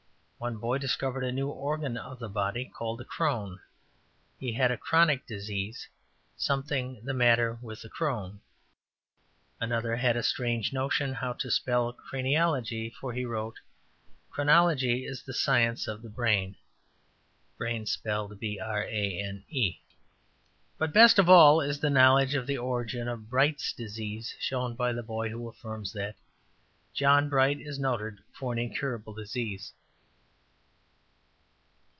One boy discovered a new organ of the body called a chrone: ``He had a chronic disease something the matter with the chrone.'' Another had a strange notion of how to spell craniology, for he wrote ``Chonology is the science of the brane.'' But best of all is the knowledge of the origin of Bright's disease, shown by the boy who affirms that ``John Bright is noted for an incurable disease.''